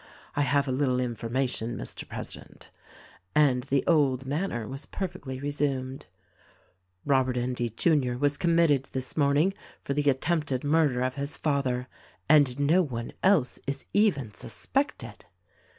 I have a little informa tion, Mr. President: (and the old manner was perfectly resumed), Robert Endy, Jr., was committed this morning for the attempted murder of his father, and no one else is even suspected."